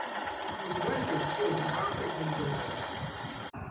He was known for his skills in Arabic linguistics.